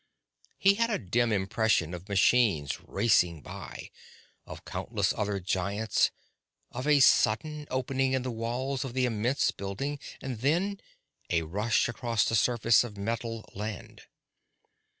He had a dim impression of machines racing by, of countless other giants, of a sudden opening in the walls of the immense building, and then a rush across the surface of metal land.